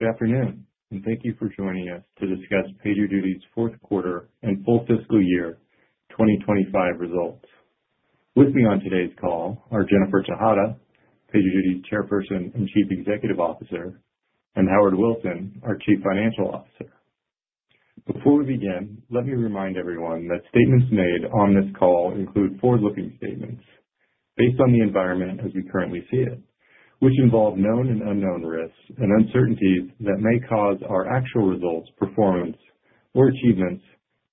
Good afternoon, and thank you for joining us to discuss PagerDuty's Fourth Quarter and Full Fiscal Year 2025 results. With me on today's call are Jennifer Tejada, PagerDuty's Chairperson and Chief Executive Officer, and Howard Wilson, our Chief Financial Officer. Before we begin, let me remind everyone that statements made on this call include forward-looking statements based on the environment as we currently see it, which involve known and unknown risks and uncertainties that may cause our actual results, performance, or achievements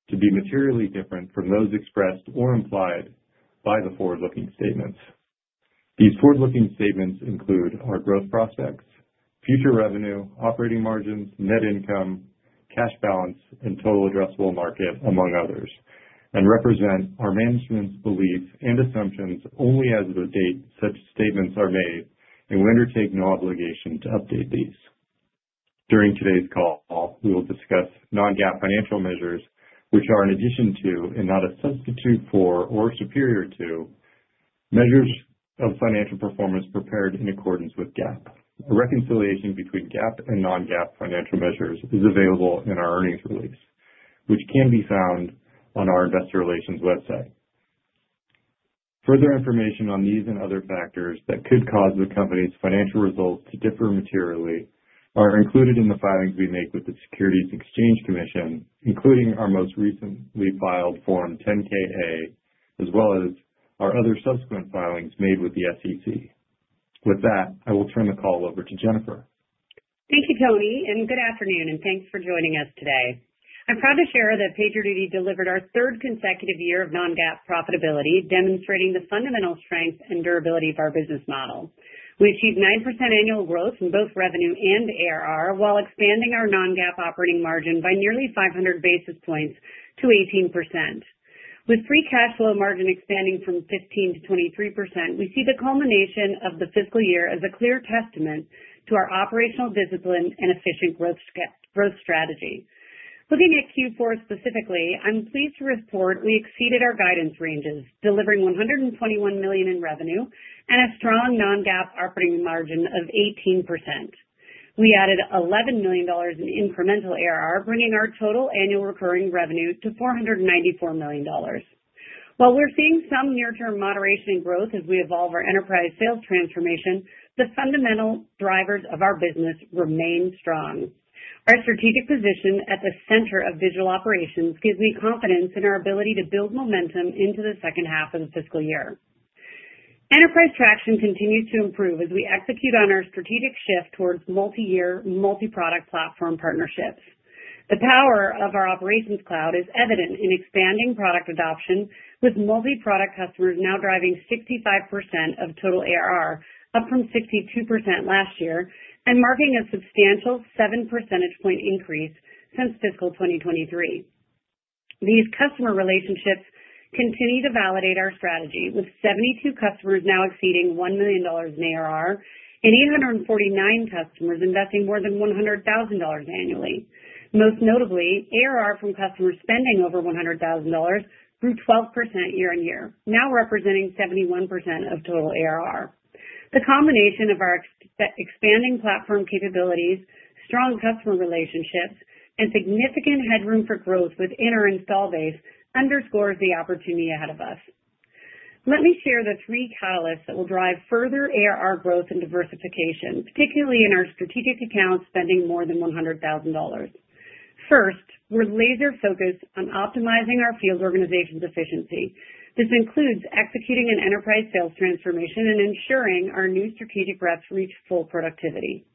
to be materially different from those expressed or implied by the forward-looking statements. These forward-looking statements include our growth prospects, future revenue, operating margins, net income, cash balance, and total addressable market, among others, and represent our management's beliefs and assumptions only as of the date such statements are made, and we undertake no obligation to update these. During today's call, we will discuss non-GAAP financial measures, which are an addition to and not a substitute for or superior to measures of financial performance prepared in accordance with GAAP. A reconciliation between GAAP and non-GAAP financial measures is available in our earnings release, which can be found on our Investor Relations website. Further information on these and other factors that could cause the company's financial results to differ materially are included in the filings we make with the Securities and Exchange Commission, including our most recently filed Form 10-K/A, as well as our other subsequent filings made with the SEC. With that, I will turn the call over to Jennifer. Thank you, Tony, and good afternoon, and thanks for joining us today. I'm proud to share that PagerDuty delivered our third consecutive year of non-GAAP profitability, demonstrating the fundamental strength and durability of our business model. We achieved 9% annual growth in both revenue and ARR while expanding our non-GAAP operating margin by nearly 500 basis points to 18%. With free cash flow margin expanding from 15% to 23%, we see the culmination of the fiscal year as a clear testament to our operational discipline and efficient growth strategy. Looking at Q4 specifically, I'm pleased to report we exceeded our guidance ranges, delivering $121 million in revenue and a strong non-GAAP operating margin of 18%. We added $11 million in incremental ARR, bringing our total annual recurring revenue to $494 million. While we're seeing some near-term moderation in growth as we evolve our enterprise sales transformation, the fundamental drivers of our business remain strong. Our strategic position at the center of digital operations gives me confidence in our ability to build momentum into the second half of the fiscal year. Enterprise traction continues to improve as we execute on our strategic shift towards multi-year, multi-product platform partnerships. The power of our Operations Cloud is evident in expanding product adoption, with multi-product customers now driving 65% of total ARR, up from 62% last year, and marking a substantial 7 percentage point increase since fiscal 2023. These customer relationships continue to validate our strategy, with 72 customers now exceeding $1 million in ARR and 849 customers investing more than $100,000 annually. Most notably, ARR from customers spending over $100,000 grew 12% year-on-year, now representing 71% of total ARR. The combination of our expanding platform capabilities, strong customer relationships, and significant headroom for growth within our install base underscores the opportunity ahead of us. Let me share the three catalysts that will drive further ARR growth and diversification, particularly in our strategic accounts spending more than $100,000. First, we're laser-focused on optimizing our field organization's efficiency. This includes executing an enterprise sales transformation and ensuring our new strategic reps reach full productivity.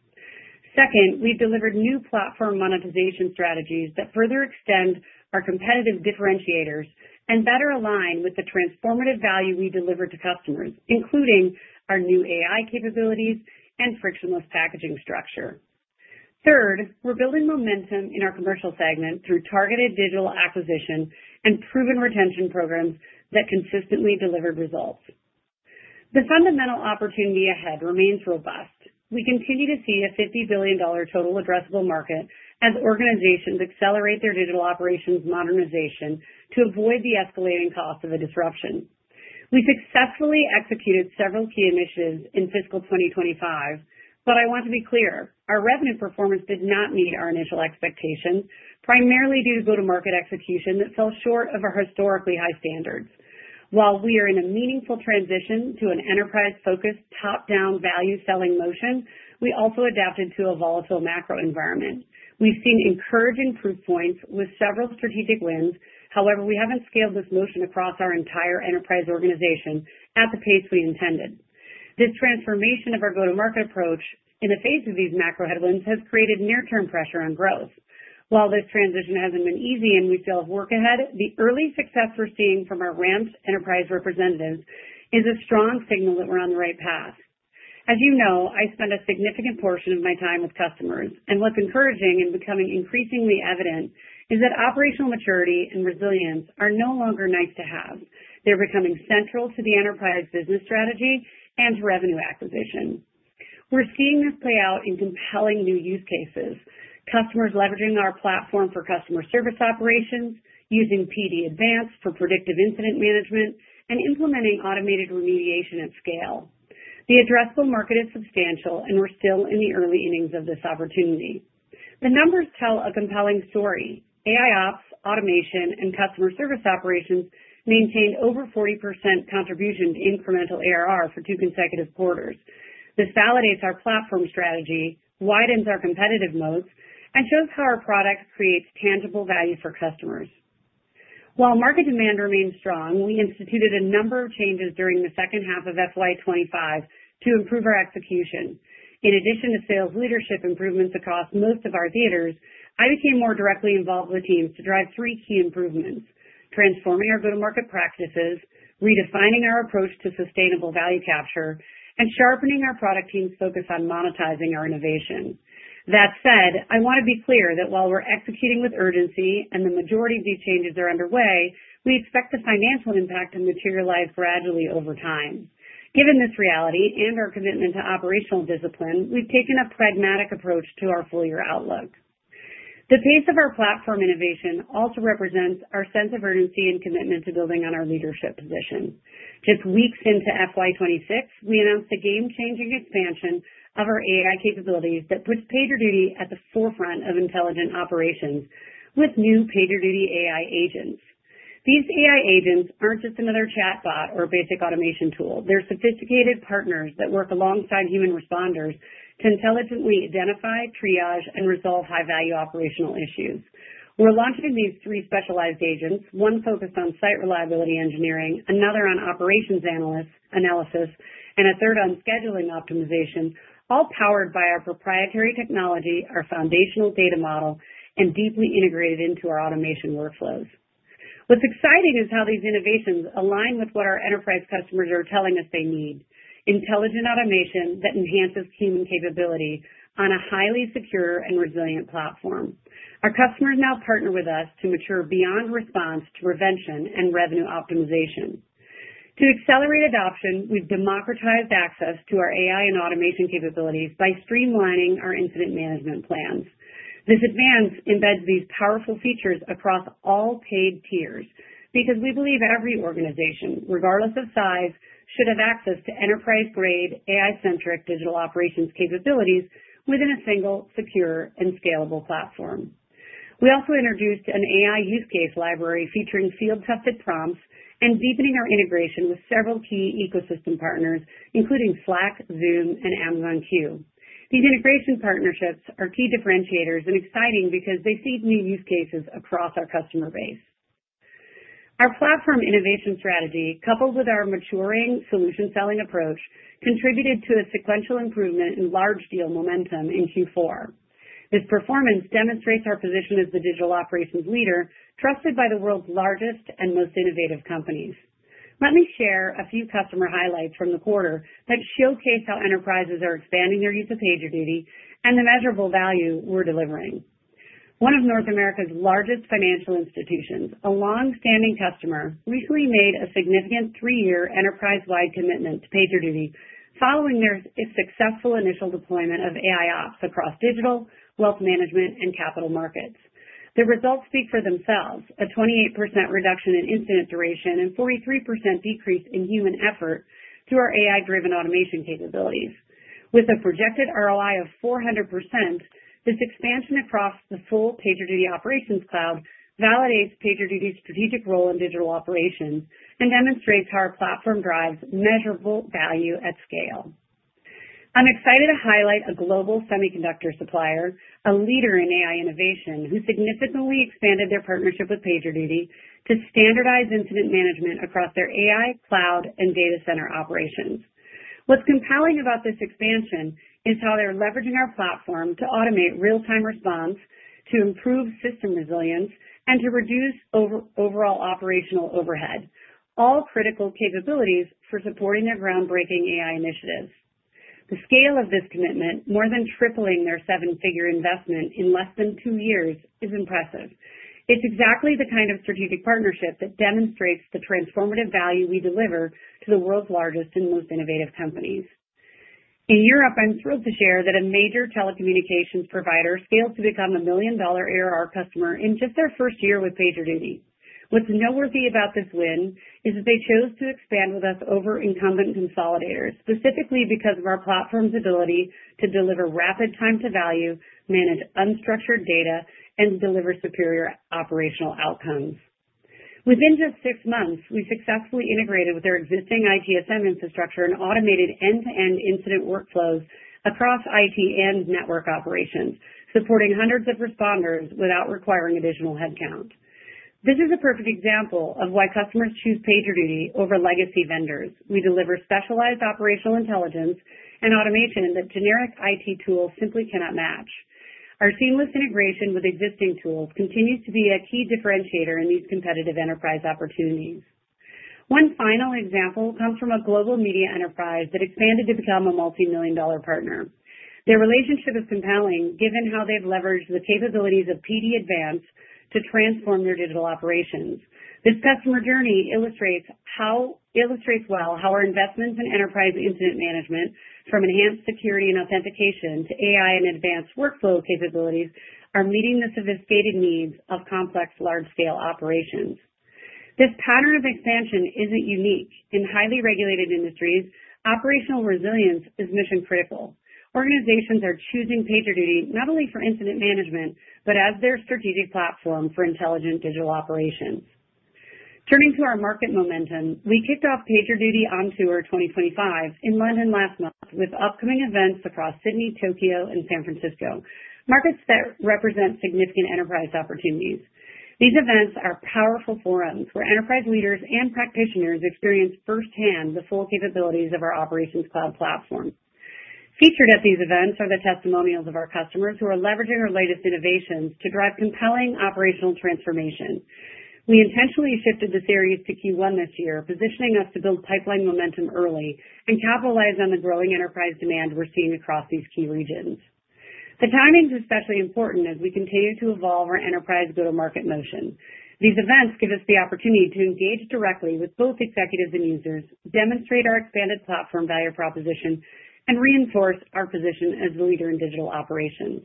Second, we've delivered new platform monetization strategies that further extend our competitive differentiators and better align with the transformative value we deliver to customers, including our new AI capabilities and frictionless packaging structure. Third, we're building momentum in our commercial segment through targeted digital acquisition and proven retention programs that consistently deliver results. The fundamental opportunity ahead remains robust. We continue to see a $50 billion total addressable market as organizations accelerate their digital operations modernization to avoid the escalating cost of a disruption. We successfully executed several key initiatives in fiscal 2025, but I want to be clear, our revenue performance did not meet our initial expectations, primarily due to go-to-market execution that fell short of our historically high standards. While we are in a meaningful transition to an enterprise-focused top-down value selling motion, we also adapted to a volatile macro environment. We've seen encouraging proof points with several strategic wins, however, we haven't scaled this motion across our entire enterprise organization at the pace we intended. This transformation of our go-to-market approach in the face of these macro headwinds has created near-term pressure on growth. While this transition hasn't been easy and we still have work ahead, the early success we're seeing from our Ramp's enterprise representatives is a strong signal that we're on the right path. As you know, I spend a significant portion of my time with customers, and what's encouraging and becoming increasingly evident is that operational maturity and resilience are no longer nice to have. They're becoming central to the enterprise business strategy and to revenue acquisition. We're seeing this play out in compelling new use cases: customers leveraging our platform for customer service operations, using PD Advance for predictive incident management, and implementing automated remediation at scale. The addressable market is substantial, and we're still in the early innings of this opportunity. The numbers tell a compelling story. AIOps, automation, and customer service operations maintained over 40% contribution to incremental ARR for two consecutive quarters. This validates our platform strategy, widens our competitive moats, and shows how our product creates tangible value for customers. While market demand remains strong, we instituted a number of changes during the second half of FY25 to improve our execution. In addition to sales leadership improvements across most of our theaters, I became more directly involved with teams to drive three key improvements: transforming our go-to-market practices, redefining our approach to sustainable value capture, and sharpening our product team's focus on monetizing our innovation. That said, I want to be clear that while we're executing with urgency and the majority of these changes are underway, we expect the financial impact to materialize gradually over time. Given this reality and our commitment to operational discipline, we've taken a pragmatic approach to our full-year outlook. The pace of our platform innovation also represents our sense of urgency and commitment to building on our leadership position. Just weeks into FY26, we announced a game-changing expansion of our AI capabilities that puts PagerDuty at the forefront of intelligent operations with new PagerDuty AI agents. These AI agents are not just another chatbot or basic automation tool. They are sophisticated partners that work alongside human responders to intelligently identify, triage, and resolve high-value operational issues. We are launching these three specialized agents, one focused on site reliability engineering, another on operations analysis, and a third on scheduling optimization, all powered by our proprietary technology, our foundational data model, and deeply integrated into our automation workflows. What is exciting is how these innovations align with what our enterprise customers are telling us they need: intelligent automation that enhances human capability on a highly secure and resilient platform. Our customers now partner with us to mature beyond response to prevention and revenue optimization. To accelerate adoption, we've democratized access to our AI and automation capabilities by streamlining our incident management plans. This advance embeds these powerful features across all paid tiers because we believe every organization, regardless of size, should have access to enterprise-grade, AI-centric digital operations capabilities within a single, secure, and scalable platform. We also introduced an AI use case library featuring field-tested prompts and deepening our integration with several key ecosystem partners, including Slack, Zoom, and Amazon Q. These integration partnerships are key differentiators and exciting because they feed new use cases across our customer base. Our platform innovation strategy, coupled with our maturing solution selling approach, contributed to a sequential improvement in large deal momentum in Q4. This performance demonstrates our position as the digital operations leader trusted by the world's largest and most innovative companies. Let me share a few customer highlights from the quarter that showcase how enterprises are expanding their use of PagerDuty and the measurable value we're delivering. One of North America's largest financial institutions, a long-standing customer, recently made a significant three-year enterprise-wide commitment to PagerDuty following their successful initial deployment of AIOps across digital, wealth management, and capital markets. The results speak for themselves: a 28% reduction in incident duration and a 43% decrease in human effort through our AI-driven automation capabilities. With a projected ROI of 400%, this expansion across the full PagerDuty Operations Cloud validates PagerDuty's strategic role in digital operations and demonstrates how our platform drives measurable value at scale. I'm excited to highlight a global semiconductor supplier, a leader in AI innovation, who significantly expanded their partnership with PagerDuty to standardize incident management across their AI cloud and data center operations. What's compelling about this expansion is how they're leveraging our platform to automate real-time response, to improve system resilience, and to reduce overall operational overhead, all critical capabilities for supporting their groundbreaking AI initiatives. The scale of this commitment, more than tripling their seven-figure investment in less than two years, is impressive. It's exactly the kind of strategic partnership that demonstrates the transformative value we deliver to the world's largest and most innovative companies. In Europe, I'm thrilled to share that a major telecommunications provider scaled to become a million-dollar ARR customer in just their first year with PagerDuty. What's noteworthy about this win is that they chose to expand with us over incumbent consolidators, specifically because of our platform's ability to deliver rapid time-to-value, manage unstructured data, and deliver superior operational outcomes. Within just six months, we successfully integrated with our existing ITSM infrastructure and automated end-to-end incident workflows across IT and network operations, supporting hundreds of responders without requiring additional headcount. This is a perfect example of why customers choose PagerDuty over legacy vendors. We deliver specialized operational intelligence and automation that generic IT tools simply cannot match. Our seamless integration with existing tools continues to be a key differentiator in these competitive enterprise opportunities. One final example comes from a global media enterprise that expanded to become a multi-million-dollar partner. Their relationship is compelling given how they've leveraged the capabilities of PD Advance to transform their digital operations. This customer journey illustrates well how our investments in enterprise incident management, from enhanced security and authentication to AI and advanced workflow capabilities, are meeting the sophisticated needs of complex large-scale operations. This pattern of expansion is not unique. In highly regulated industries, operational resilience is mission-critical. Organizations are choosing PagerDuty not only for incident management but as their strategic platform for intelligent digital operations. Turning to our market momentum, we kicked off PagerDuty on Tour 2025 in London last month with upcoming events across Sydney, Tokyo, and San Francisco, markets that represent significant enterprise opportunities. These events are powerful forums where enterprise leaders and practitioners experience firsthand the full capabilities of our Operations Cloud platform. Featured at these events are the testimonials of our customers who are leveraging our latest innovations to drive compelling operational transformation. We intentionally shifted the series to Q1 this year, positioning us to build pipeline momentum early and capitalize on the growing enterprise demand we're seeing across these key regions. The timing is especially important as we continue to evolve our enterprise go-to-market motion. These events give us the opportunity to engage directly with both executives and users, demonstrate our expanded platform value proposition, and reinforce our position as the leader in digital operations.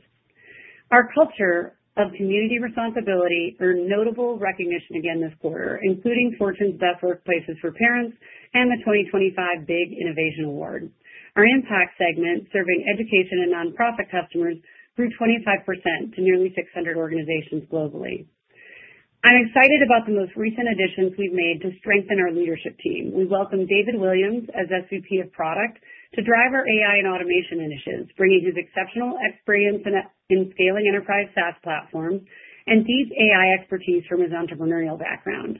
Our culture of community responsibility earned notable recognition again this quarter, including Fortune's Best Workplaces for Parents and the 2025 BIG Innovation Award. Our impact segment, serving education and nonprofit customers, grew 25% to nearly 600 organizations globally. I'm excited about the most recent additions we've made to strengthen our leadership team. We welcome David Williams as SVP of Product to drive our AI and automation initiatives, bringing his exceptional experience in scaling enterprise SaaS platforms and deep AI expertise from his entrepreneurial background.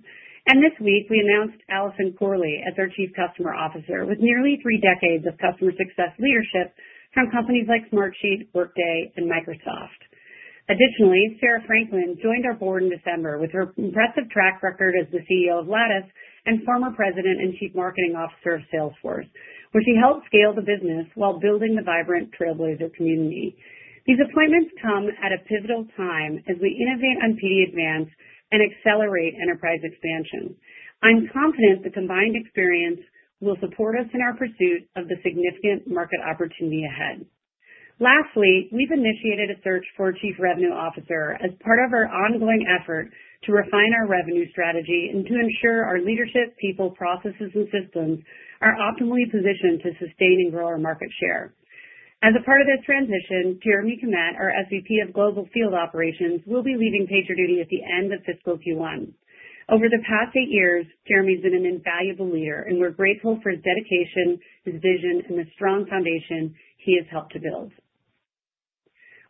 This week, we announced Allison Corley as our Chief Customer Officer with nearly three decades of customer success leadership from companies like Smartsheet, Workday, and Microsoft. Additionally, Sarah Franklin joined our board in December with her impressive track record as the CEO of Lattice and former President and Chief Marketing Officer of Salesforce, where she helped scale the business while building the vibrant Trailblazer community. These appointments come at a pivotal time as we innovate on PD Advance and accelerate enterprise expansion. I'm confident the combined experience will support us in our pursuit of the significant market opportunity ahead. Lastly, we've initiated a search for a Chief Revenue Officer as part of our ongoing effort to refine our revenue strategy and to ensure our leadership, people, processes, and systems are optimally positioned to sustain and grow our market share. As a part of this transition, Jeremy Kmet, our SVP of Global Field Operations, will be leaving PagerDuty at the end of fiscal Q1. Over the past eight years, Jeremy's been an invaluable leader, and we're grateful for his dedication, his vision, and the strong foundation he has helped to build.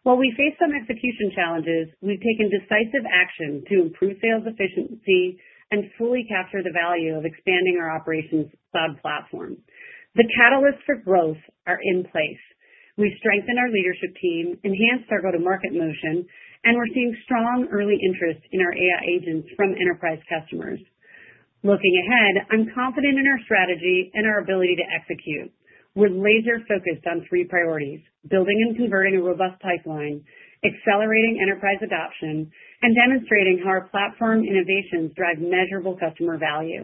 While we face some execution challenges, we've taken decisive action to improve sales efficiency and fully capture the value of expanding our Operations Cloud platform. The catalysts for growth are in place. We've strengthened our leadership team, enhanced our go-to-market motion, and we're seeing strong early interest in our AI agents from enterprise customers. Looking ahead, I'm confident in our strategy and our ability to execute. We're laser-focused on three priorities: building and converting a robust pipeline, accelerating enterprise adoption, and demonstrating how our platform innovations drive measurable customer value.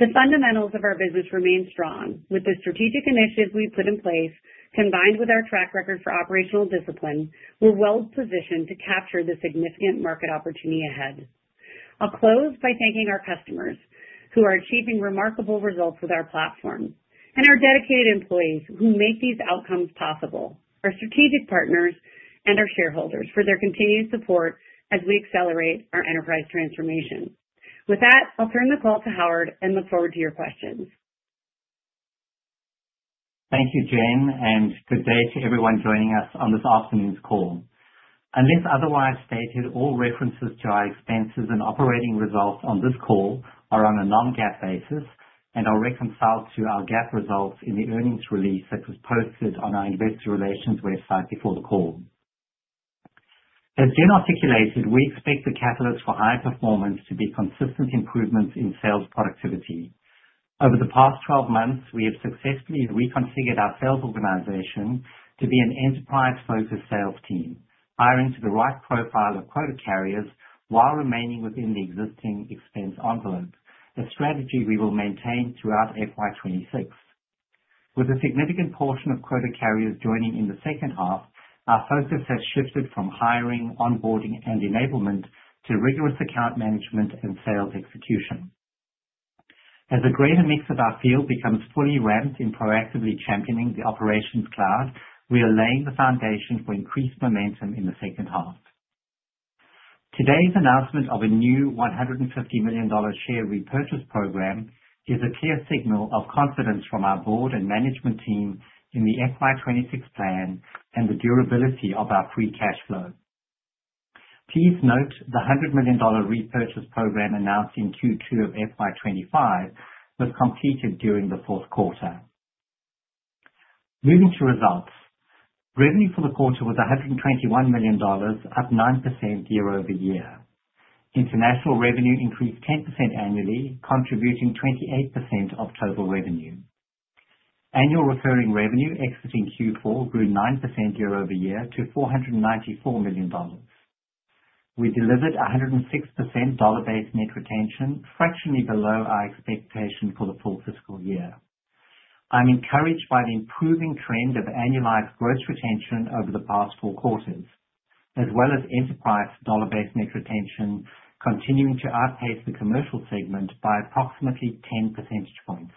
The fundamentals of our business remain strong. With the strategic initiatives we've put in place, combined with our track record for operational discipline, we're well-positioned to capture the significant market opportunity ahead. I'll close by thanking our customers, who are achieving remarkable results with our platform, and our dedicated employees, who make these outcomes possible, our strategic partners, and our shareholders for their continued support as we accelerate our enterprise transformation. With that, I'll turn the call to Howard and look forward to your questions. Thank you, Jen, and good day to everyone joining us on this afternoon's call. Unless otherwise stated, all references to our expenses and operating results on this call are on a non-GAAP basis and are reconciled to our GAAP results in the earnings release that was posted on our investor relations website before the call. As Jen articulated, we expect the catalysts for high performance to be consistent improvements in sales productivity. Over the past 12 months, we have successfully reconfigured our sales organization to be an enterprise-focused sales team, hiring to the right profile of quota carriers while remaining within the existing expense envelope, a strategy we will maintain throughout FY26. With a significant portion of quota carriers joining in the second half, our focus has shifted from hiring, onboarding, and enablement to rigorous account management and sales execution. As a greater mix of our field becomes fully ramped in proactively championing the Operations Cloud, we are laying the foundation for increased momentum in the second half. Today's announcement of a new $150 million share repurchase program is a clear signal of confidence from our board and management team in the FY26 plan and the durability of our free cash flow. Please note the $100 million repurchase program announced in Q2 of FY25 was completed during the fourth quarter. Moving to results, revenue for the quarter was $121 million, up 9% year-over-year. International revenue increased 10% annually, contributing 28% of total revenue. Annual recurring revenue exiting Q4 grew 9% year-over-year to $494 million. We delivered 106% dollar-based net retention, fractionally below our expectation for the full fiscal year. I'm encouraged by the improving trend of annualized gross retention over the past four quarters, as well as enterprise dollar-based net retention continuing to outpace the commercial segment by approximately 10 percentage points.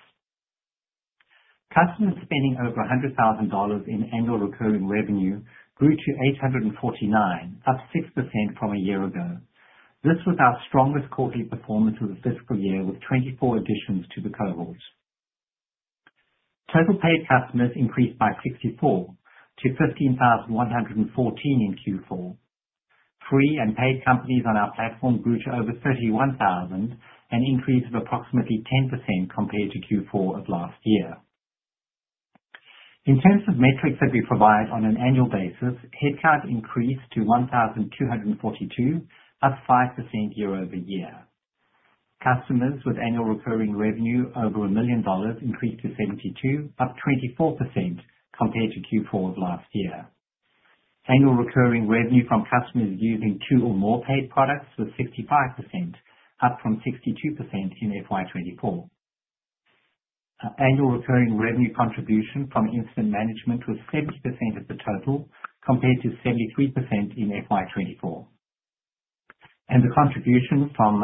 Customers spending over $100,000 in annual recurring revenue grew to 849, up 6% from a year ago. This was our strongest quarterly performance of the fiscal year with 24 additions to the cohort. Total paid customers increased by 64 to 15,114 in Q4. Free and paid companies on our platform grew to over 31,000, an increase of approximately 10% compared to Q4 of last year. In terms of metrics that we provide on an annual basis, headcount increased to 1,242, up 5% year-over-year. Customers with annual recurring revenue over $1 million increased to 72, up 24% compared to Q4 of last year. Annual recurring revenue from customers using two or more paid products was 65%, up from 62% in FY2024. Annual recurring revenue contribution from incident management was 70% of the total compared to 73% in FY2024. The contribution from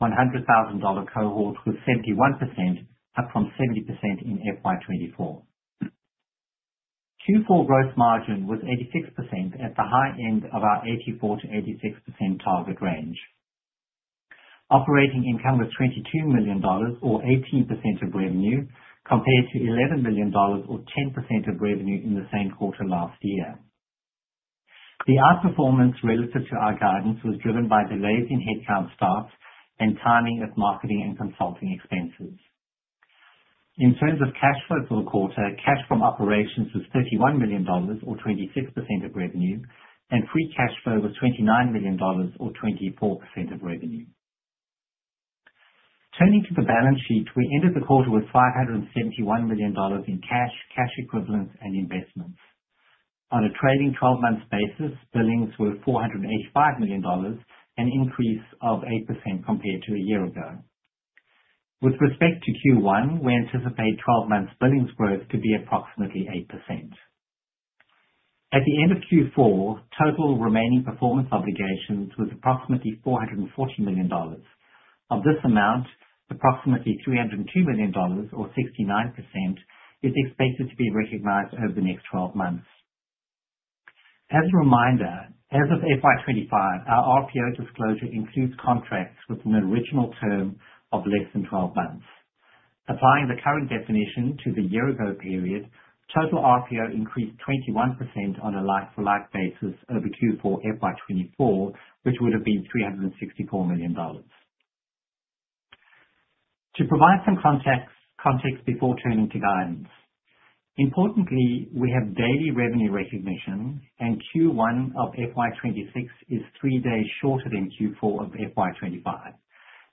our $100,000 cohort was 71%, up from 70% in FY2024. Q4 gross margin was 86% at the high end of our 84%-86% target range. Operating income was $22 million, or 18% of revenue, compared to $11 million, or 10% of revenue in the same quarter last year. The outperformance relative to our guidance was driven by delays in headcount starts and timing of marketing and consulting expenses. In terms of cash flow for the quarter, cash from operations was $31 million, or 26% of revenue, and free cash flow was $29 million, or 24% of revenue. Turning to the balance sheet, we ended the quarter with $571 million in cash, cash equivalents, and investments. On a trailing 12-month basis, billings were $485 million, an increase of 8% compared to a year ago. With respect to Q1, we anticipate 12-month billings growth to be approximately 8%. At the end of Q4, total remaining performance obligations was approximately $440 million. Of this amount, approximately $302 million, or 69%, is expected to be recognized over the next 12 months. As a reminder, as of FY25, our RPO disclosure includes contracts with an original term of less than 12 months. Applying the current definition to the year-ago period, total RPO increased 21% on a like-for-like basis over Q4 FY24, which would have been $364 million. To provide some context before turning to guidance, importantly, we have daily revenue recognition, and Q1 of FY26 is three days shorter than Q4 of FY25.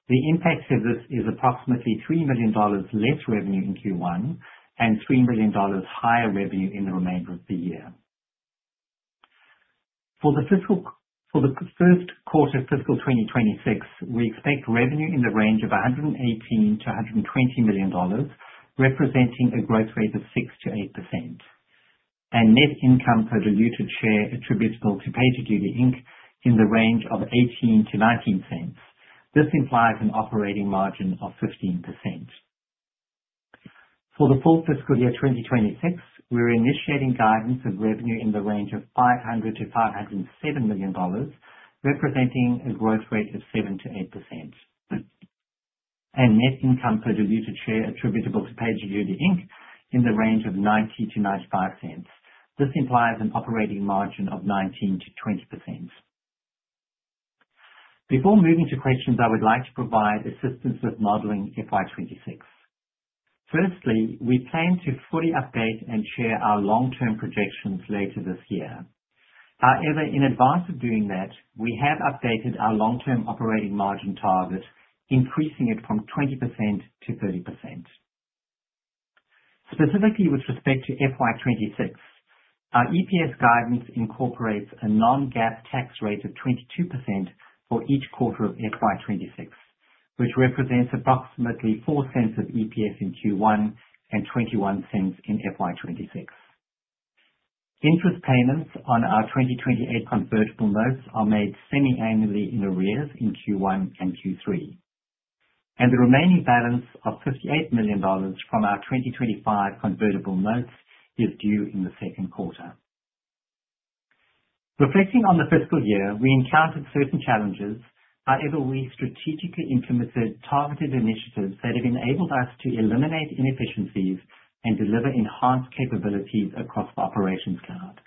The impact of this is approximately $3 million less revenue in Q1 and $3 million higher revenue in the remainder of the year. For the first quarter of fiscal 2026, we expect revenue in the range of $118 million-$120 million, representing a growth rate of 6%-8%, and net income per diluted share attributable to PagerDuty in the range of $0.18-$0.19. This implies an operating margin of 15%. For the full fiscal year 2026, we're initiating guidance of revenue in the range of $500 million-$507 million, representing a growth rate of 7%-8%, and net income per diluted share attributable to PagerDuty in the range of $0.90-$0.95. This implies an operating margin of 19%-20%. Before moving to questions, I would like to provide assistance with modeling FY26. Firstly, we plan to fully update and share our long-term projections later this year. However, in advance of doing that, we have updated our long-term operating margin target, increasing it from 20%-30%. Specifically, with respect to FY26, our EPS guidance incorporates a non-GAAP tax rate of 22% for each quarter of FY26, which represents approximately $0.04 of EPS in Q1 and $0.21 in FY26. Interest payments on our 2028 convertible notes are made semi-annually in arrears in Q1 and Q3, and the remaining balance of $58 million from our 2025 convertible notes is due in the second quarter. Reflecting on the fiscal year, we encountered certain challenges. However, we strategically implemented targeted initiatives that have enabled us to eliminate inefficiencies and deliver enhanced capabilities across the Operations Cloud.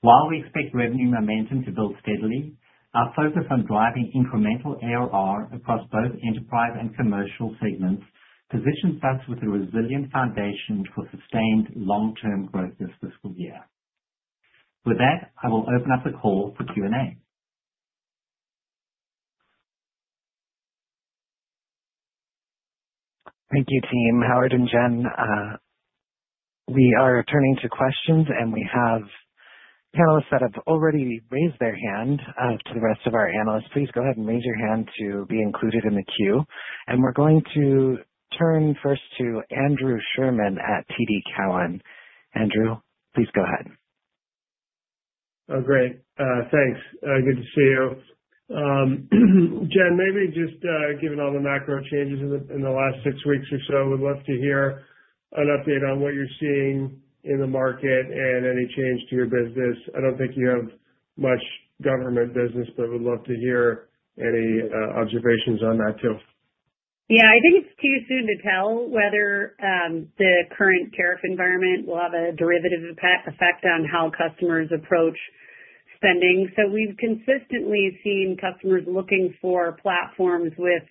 While we expect revenue momentum to build steadily, our focus on driving incremental ARR across both enterprise and commercial segments positions us with a resilient foundation for sustained long-term growth this fiscal year. With that, I will open up the call for Q&A. Thank you, team. Howard and Jen, we are turning to questions, and we have panelists that have already raised their hand. To the rest of our panelists, please go ahead and raise your hand to be included in the queue. We are going to turn first to Andrew Sherman at TD Cowen. Andrew, please go ahead. Oh, great. Thanks. Good to see you. Jen, maybe just given all the macro changes in the last six weeks or so, we'd love to hear an update on what you're seeing in the market and any change to your business. I don't think you have much government business, but we'd love to hear any observations on that too. Yeah, I think it's too soon to tell whether the current tariff environment will have a derivative effect on how customers approach spending. We've consistently seen customers looking for platforms with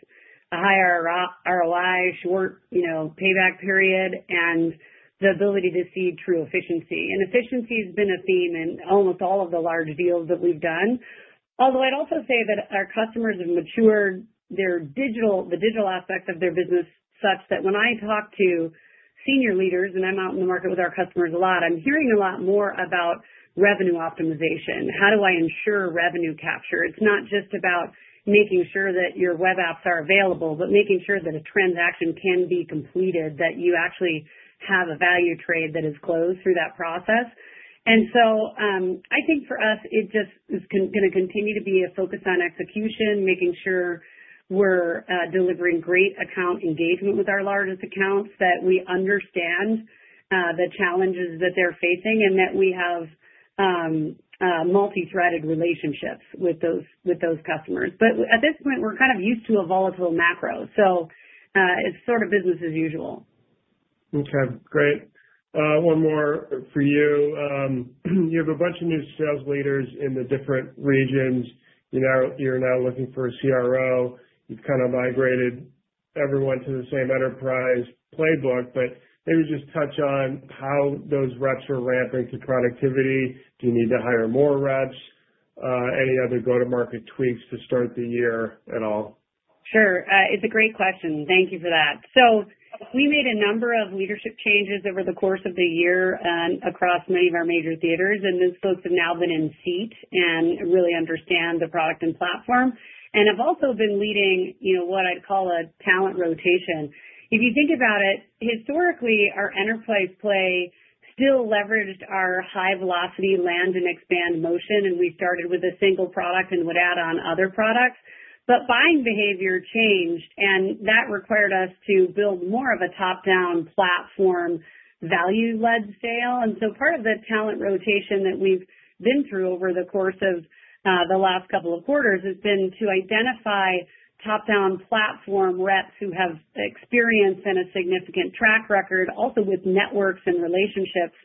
a higher ROI, short payback period, and the ability to see true efficiency. Efficiency has been a theme in almost all of the large deals that we've done. Although I'd also say that our customers have matured the digital aspect of their business such that when I talk to senior leaders, and I'm out in the market with our customers a lot, I'm hearing a lot more about revenue optimization. How do I ensure revenue capture? It's not just about making sure that your web apps are available, but making sure that a transaction can be completed, that you actually have a value trade that is closed through that process. I think for us, it just is going to continue to be a focus on execution, making sure we're delivering great account engagement with our largest accounts, that we understand the challenges that they're facing, and that we have multi-threaded relationships with those customers. At this point, we're kind of used to a volatile macro, so it's sort of business as usual. Okay, great. One more for you. You have a bunch of new sales leaders in the different regions. You're now looking for a CRO. You've kind of migrated everyone to the same enterprise playbook, but maybe just touch on how those reps are ramping to productivity. Do you need to hire more reps? Any other go-to-market tweaks to start the year at all? Sure. It's a great question. Thank you for that. We made a number of leadership changes over the course of the year across many of our major theaters, and those folks have now been in seat and really understand the product and platform. I've also been leading what I'd call a talent rotation. If you think about it, historically, our enterprise play still leveraged our high-velocity land and expand motion, and we started with a single product and would add on other products. Buying behavior changed, and that required us to build more of a top-down platform value-led sale. Part of the talent rotation that we've been through over the course of the last couple of quarters has been to identify top-down platform reps who have experience and a significant track record, also with networks and relationships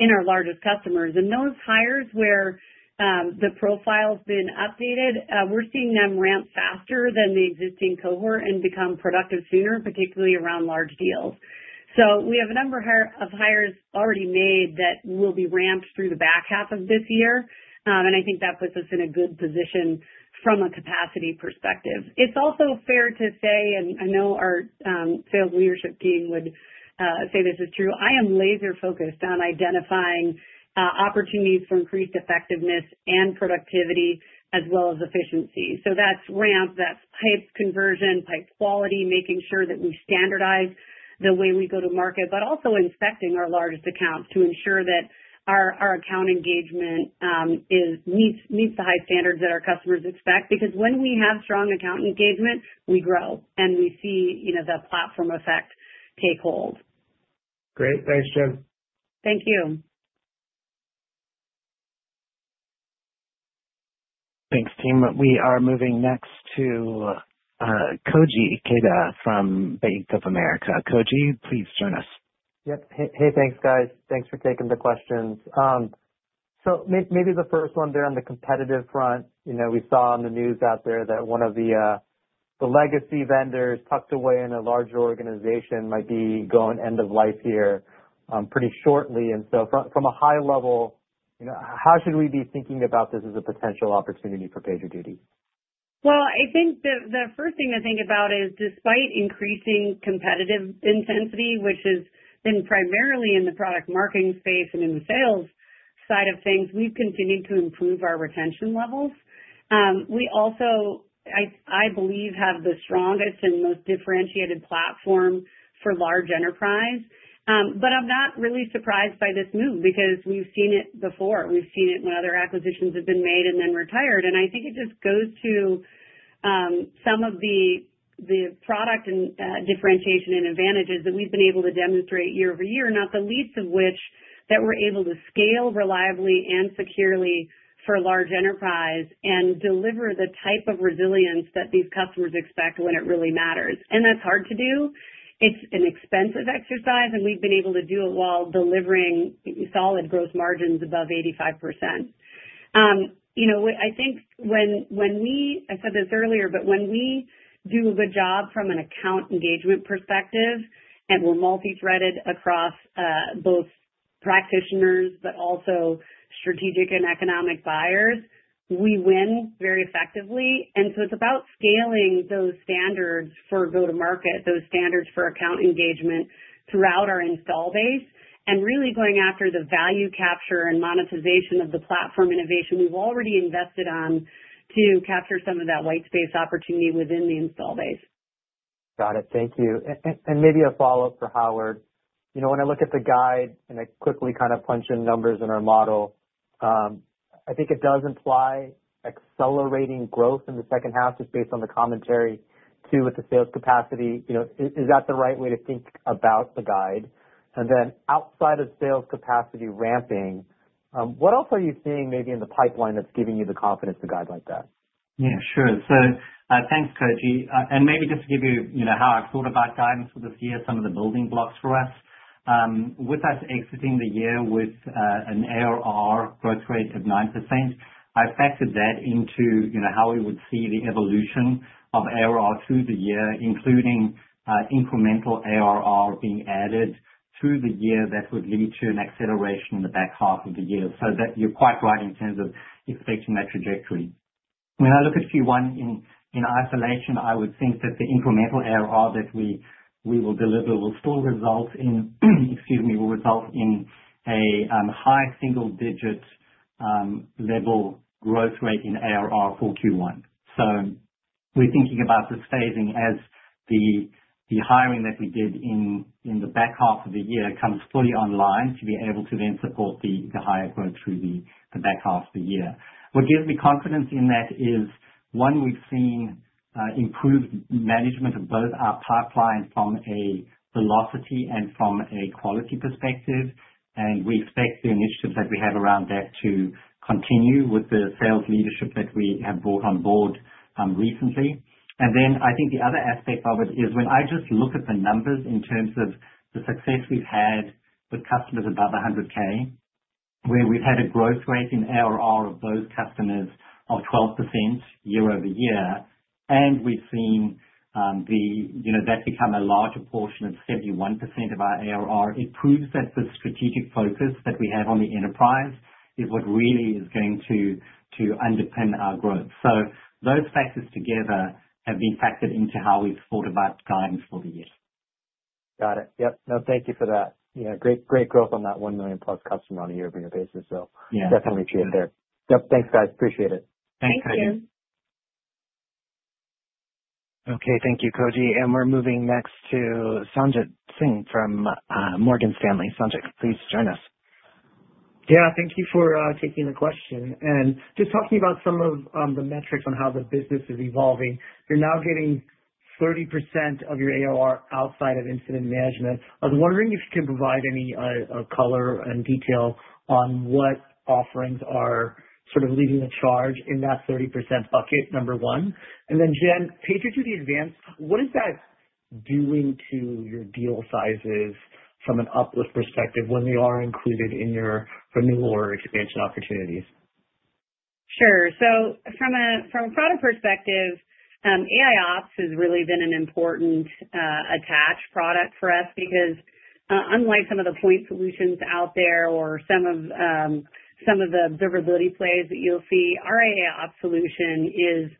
in our largest customers. Those hires where the profile's been updated, we're seeing them ramp faster than the existing cohort and become productive sooner, particularly around large deals. We have a number of hires already made that will be ramped through the back half of this year, and I think that puts us in a good position from a capacity perspective. It's also fair to say, and I know our sales leadership team would say this is true, I am laser-focused on identifying opportunities for increased effectiveness and productivity as well as efficiency. That's Ramp, that's pipe conversion, pipe quality, making sure that we standardize the way we go to market, but also inspecting our largest accounts to ensure that our account engagement meets the high standards that our customers expect. Because when we have strong account engagement, we grow, and we see the platform effect take hold. Great. Thanks, Jen. Thank you. Thanks, team. We are moving next to Koji Ikeda from Bank of America. Koji, please join us. Yep. Hey, thanks, guys. Thanks for taking the questions. Maybe the first one there on the competitive front, we saw on the news out there that one of the legacy vendors tucked away in a larger organization might be going end of life here pretty shortly. From a high level, how should we be thinking about this as a potential opportunity for PagerDuty? I think the first thing to think about is, despite increasing competitive intensity, which has been primarily in the product marketing space and in the sales side of things, we've continued to improve our retention levels. We also, I believe, have the strongest and most differentiated platform for large enterprise. I'm not really surprised by this move because we've seen it before. We've seen it when other acquisitions have been made and then retired. I think it just goes to some of the product and differentiation and advantages that we've been able to demonstrate year-over-year, not the least of which that we're able to scale reliably and securely for large enterprise and deliver the type of resilience that these customers expect when it really matters. That is hard to do. It is an expensive exercise, and we've been able to do it while delivering solid gross margins above 85%. I think when we—I said this earlier—but when we do a good job from an account engagement perspective and we're multi-threaded across both practitioners but also strategic and economic buyers, we win very effectively. It is about scaling those standards for go-to-market, those standards for account engagement throughout our install base, and really going after the value capture and monetization of the platform innovation we have already invested on to capture some of that white space opportunity within the install base. Got it. Thank you. Maybe a follow-up for Howard. When I look at the guide and I quickly kind of punch in numbers in our model, I think it does imply accelerating growth in the second half just based on the commentary too with the sales capacity. Is that the right way to think about the guide? Outside of sales capacity ramping, what else are you seeing maybe in the pipeline that is giving you the confidence to guide like that? Yeah, sure. Thanks, Koji. Maybe just to give you how I've thought about guidance for this year, some of the building blocks for us. With us exiting the year with an ARR growth rate of 9%, I factored that into how we would see the evolution of ARR through the year, including incremental ARR being added through the year that would lead to an acceleration in the back half of the year. You are quite right in terms of expecting that trajectory. When I look at Q1 in isolation, I would think that the incremental ARR that we will deliver will still result in—excuse me—will result in a high single-digit level growth rate in ARR for Q1. We're thinking about this phasing as the hiring that we did in the back half of the year comes fully online to be able to then support the higher growth through the back half of the year. What gives me confidence in that is, one, we've seen improved management of both our pipeline from a velocity and from a quality perspective, and we expect the initiatives that we have around that to continue with the sales leadership that we have brought on board recently. I think the other aspect of it is when I just look at the numbers in terms of the success we've had with customers above $100,000, where we've had a growth rate in ARR of those customers of 12% year-over-year, and we've seen that become a larger portion of 71% of our ARR, it proves that the strategic focus that we have on the enterprise is what really is going to underpin our growth. Those factors together have been factored into how we've thought about guidance for the year. Got it. Yep. No, thank you for that. Great growth on that $1 million-plus customer on a year-over-year basis. Definitely appreciate it there. Yep. Thanks, guys. Appreciate it. Thanks, Koji. Thank you. Okay. Thank you, Koji. We're moving next to Sanjit Singh from Morgan Stanley. Sanjit, please join us. Yeah. Thank you for taking the question. Just talking about some of the metrics on how the business is evolving, you're now getting 30% of your ARR outside of incident management. I was wondering if you can provide any color and detail on what offerings are sort of leading the charge in that 30% bucket, number one. Jen, PagerDuty Advance, what is that doing to your deal sizes from an uplift perspective when they are included in your renewal or expansion opportunities? Sure. From a product perspective, AIOps has really been an important attached product for us because unlike some of the point solutions out there or some of the observability plays that you'll see, our AIOps solution is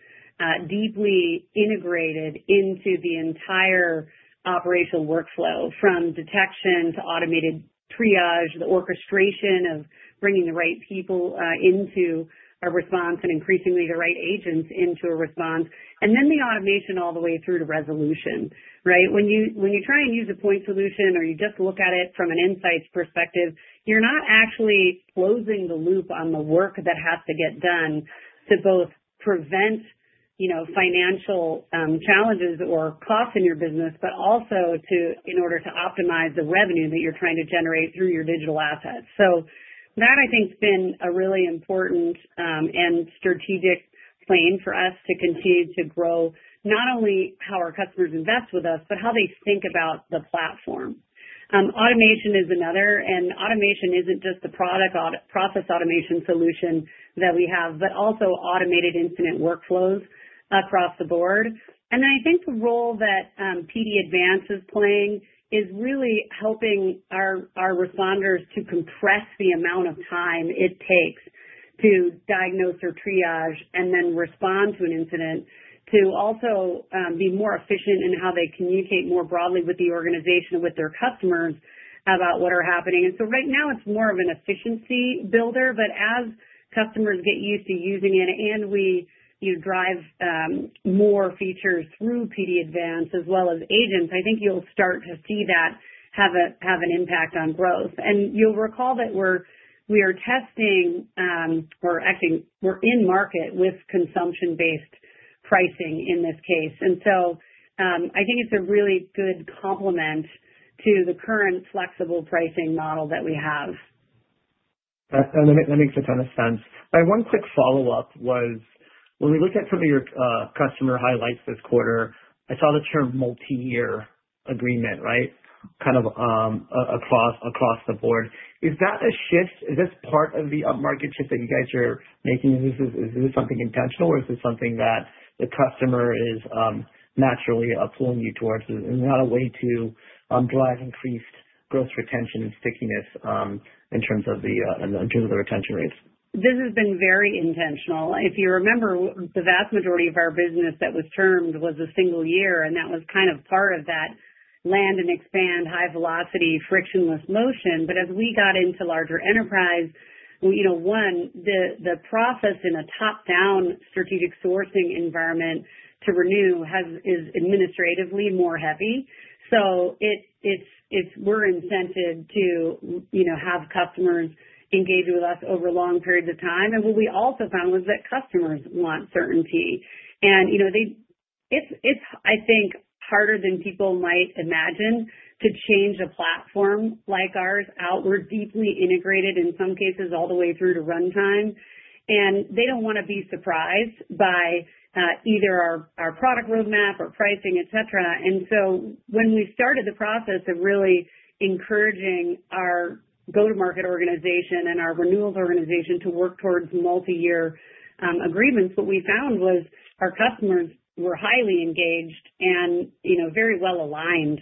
deeply integrated into the entire operational workflow from detection to automated triage, the orchestration of bringing the right people into a response, and increasingly the right agents into a response, and then the automation all the way through to resolution, right? When you try and use a point solution or you just look at it from an insights perspective, you're not actually closing the loop on the work that has to get done to both prevent financial challenges or costs in your business, but also in order to optimize the revenue that you're trying to generate through your digital assets. That, I think, has been a really important and strategic plan for us to continue to grow not only how our customers invest with us, but how they think about the platform. Automation is another. Automation is not just the process automation solution that we have, but also automated incident workflows across the board. I think the role that PD Advance is playing is really helping our responders to compress the amount of time it takes to diagnose or triage and then respond to an incident to also be more efficient in how they communicate more broadly with the organization and with their customers about what is happening. Right now, it's more of an efficiency builder, but as customers get used to using it and we drive more features through PD Advance as well as agents, I think you'll start to see that have an impact on growth. You'll recall that we're testing or actually, we're in market with consumption-based pricing in this case. I think it's a really good complement to the current flexible pricing model that we have. That makes a ton of sense. My one quick follow-up was, when we looked at some of your customer highlights this quarter, I saw the term multi-year agreement, right, kind of across the board. Is that a shift? Is this part of the upmarket shift that you guys are making? Is this something intentional, or is this something that the customer is naturally pulling you towards? Is that a way to drive increased growth retention and stickiness in terms of the retention rates? This has been very intentional. If you remember, the vast majority of our business that was termed was a single year, and that was kind of part of that land and expand high-velocity frictionless motion. As we got into larger enterprise, one, the process in a top-down strategic sourcing environment to renew is administratively more heavy. We are incented to have customers engage with us over long periods of time. What we also found was that customers want certainty. It is, I think, harder than people might imagine to change a platform like ours. We are deeply integrated in some cases all the way through to runtime, and they do not want to be surprised by either our product roadmap or pricing, etc. When we started the process of really encouraging our go-to-market organization and our renewals organization to work towards multi-year agreements, what we found was our customers were highly engaged and very well aligned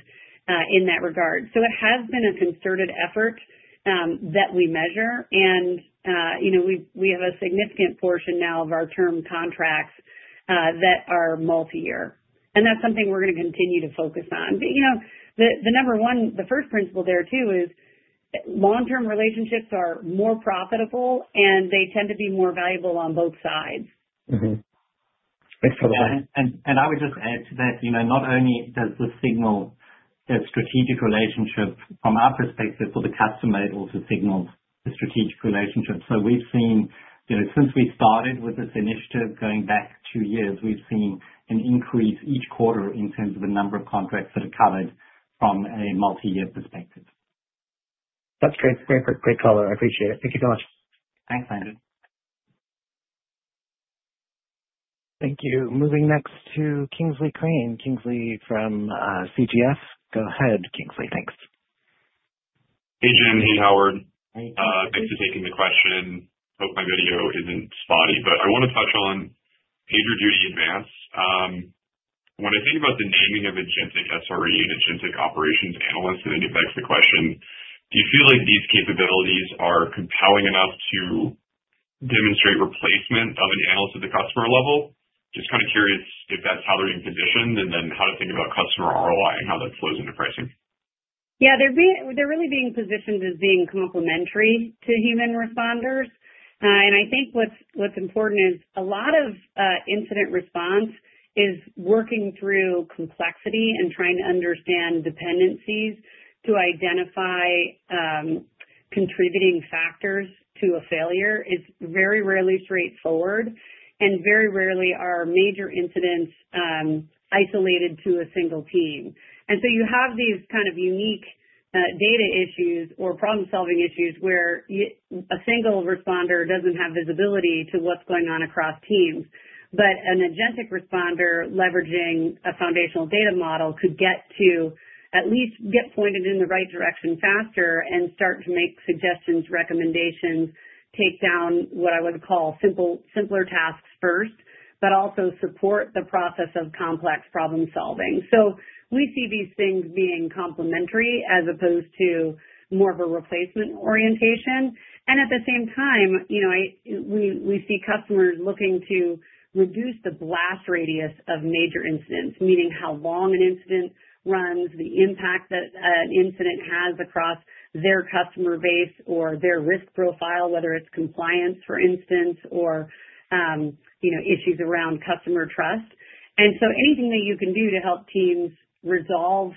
in that regard. It has been a concerted effort that we measure, and we have a significant portion now of our term contracts that are multi-year. That is something we are going to continue to focus on. The number one, the first principle there too is long-term relationships are more profitable, and they tend to be more valuable on both sides. Thanks for the line. I would just add to that, not only does this signal a strategic relationship from our perspective for the customer, it also signals a strategic relationship. We've seen, since we started with this initiative going back two years, we've seen an increase each quarter in terms of the number of contracts that are covered from a multi-year perspective. That's great. Great color. I appreciate it. Thank you so much. Thanks, Sanjit. Thank you. Moving next to Kingsley Crane. Kingsley from CGS. Go ahead, Kingsley. Thanks. Hey, Jen. Hey, Howard. Thanks for taking the question. Hope my video isn't spotty, but I want to touch on PagerDuty Advance. When I think about the naming of agentic SRE and agentic operations analysts, and then you've asked the question, do you feel like these capabilities are compelling enough to demonstrate replacement of an analyst at the customer level? Just kind of curious if that's how they're being positioned and then how to think about customer ROI and how that flows into pricing. Yeah. They're really being positioned as being complementary to human responders. I think what's important is a lot of incident response is working through complexity and trying to understand dependencies to identify contributing factors to a failure. It's very rarely straightforward, and very rarely are major incidents isolated to a single team. You have these kind of unique data issues or problem-solving issues where a single responder doesn't have visibility to what's going on across teams. An agentic responder leveraging a foundational data model could at least get pointed in the right direction faster and start to make suggestions, recommendations, take down what I would call simpler tasks first, but also support the process of complex problem-solving. We see these things being complementary as opposed to more of a replacement orientation. At the same time, we see customers looking to reduce the blast radius of major incidents, meaning how long an incident runs, the impact that an incident has across their customer base or their risk profile, whether it's compliance, for instance, or issues around customer trust. Anything that you can do to help teams resolve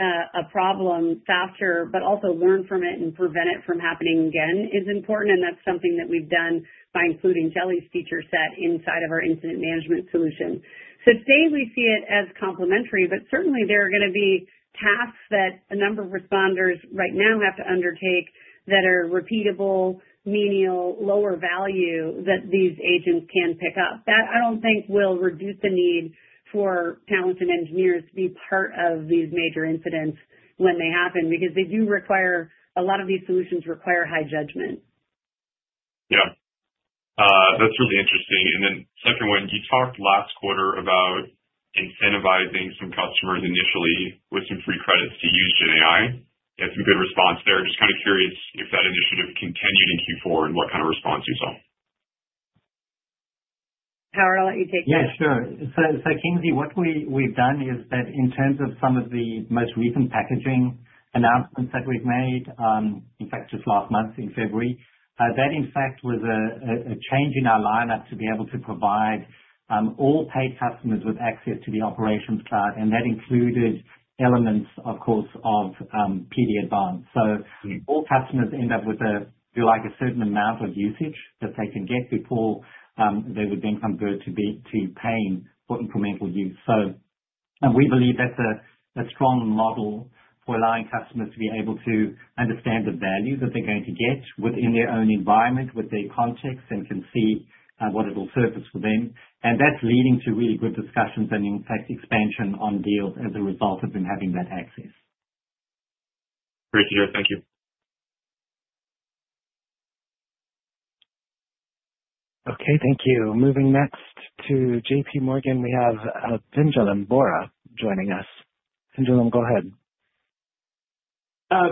a problem faster, but also learn from it and prevent it from happening again is important. That's something that we've done by including Jeli's feature set inside of our incident management solution. Today, we see it as complementary, but certainly, there are going to be tasks that a number of responders right now have to undertake that are repeatable, menial, lower value that these agents can pick up. That I don't think will reduce the need for talented engineers to be part of these major incidents when they happen because they do require a lot of these solutions require high judgment. Yeah. That's really interesting. The second one, you talked last quarter about incentivizing some customers initially with some free credits to use GenAI. You had some good response there. Just kind of curious if that initiative continued in Q4 and what kind of response you saw. Howard, I'll let you take that. Yeah, sure. Kingsley, what we've done is that in terms of some of the most recent packaging announcements that we've made, in fact, just last month in February, that in fact was a change in our lineup to be able to provide all paid customers with access to the Operations Cloud. That included elements, of course, of PD Advance. All customers end up with a certain amount of usage that they can get before they would then convert to paying for incremental use. We believe that's a strong model for allowing customers to be able to understand the value that they're going to get within their own environment, with their context, and can see what it will surface for them. That's leading to really good discussions and, in fact, expansion on deals as a result of them having that access. Great to hear. Thank you. Okay. Thank you. Moving next to JPMorgan. We have Pinjalim Bora joining us. Pinjalim, go ahead.